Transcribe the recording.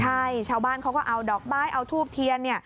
ใช่ชาวบ้านเขาก็เอาดอกบ้ายเอาทูปเทียน